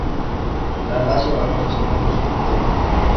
La Lazio ganó su segundo "scudetto".